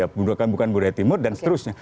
menemukan budaya timur dan seterusnya